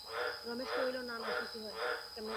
রমেশ কহিল, না না, সে কি হয়!